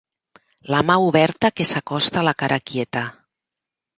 La mà oberta que s'acosta a la cara quieta.